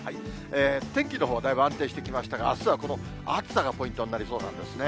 天気のほう、だいぶ安定してきましたが、あすはこの暑さがポイントになりそうなんですね。